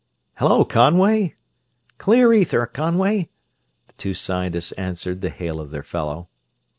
"Hello, Conway!" "Clear ether, Conway!" The two scientists answered the hail of their fellow.